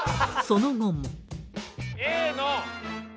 その後も。